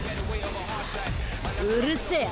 うるせぇ。